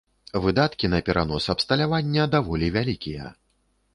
Выдаткі на перанос абсталявання даволі вялікія.